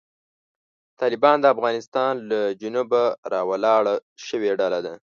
طالبان د افغانستان له جنوبه راولاړه شوې ډله ده.